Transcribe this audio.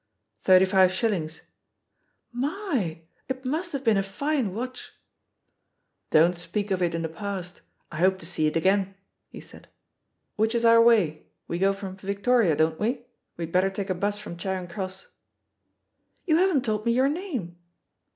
"Thirty five shillings/^ "My! It must have been a fine watch." *T)on't speak of it in the past; I hope to see it again/' he said. "Which is our way — ^we go from Victoria, don't we ? W^'d better take a bus from Charing Cross." "You haven't told me your name?'